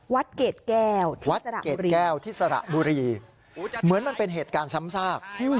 วัดเกดแก่วที่สระบุรีเหมือนมันเป็นเหตุการณ์ซ้ำซาก